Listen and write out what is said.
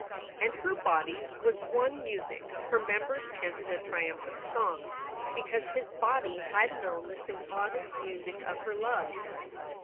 And her body was one music, her members chanted a triumphant song, because his body had known the symphonic music of her love.